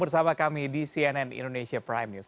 bersama kami di cnn indonesia prime news